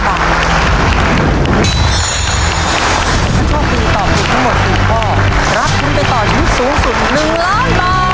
ถ้าโชคดีตอบถูกทั้งหมด๔ข้อรับทุนไปต่อชีวิตสูงสุด๑ล้านบาท